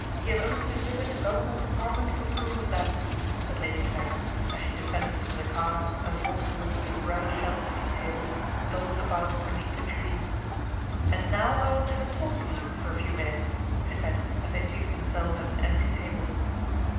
You have only to visit a Government Department for proof of that," said Lady Tanagra, as she descended from the car and walked towards the umbrella sheltered tea tables dotted about beneath the trees. " And now I want to have a talk with you for a few minutes/' she said as they seated themselves at an empty table.